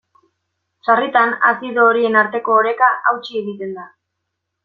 Sarritan, azido horien arteko oreka hautsi egiten da.